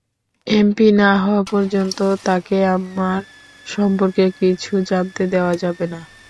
MP না হওয়া পর্যন্ত তাকে আমার সম্পর্কে কিছু জানতে দেওয়া যাবে না।